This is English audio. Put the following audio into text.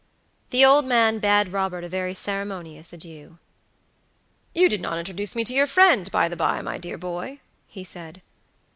The old man bade Robert a very ceremonious adieu. "You did not introduce me to your friend, by the bye, my dear boy," he said.